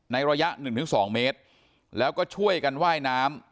ในระยะ๑๒เมตรแล้วก็ช่วยกันไหว้น้ำ